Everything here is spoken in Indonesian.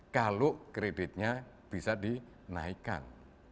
kalau kreditnya bisa dinaikkan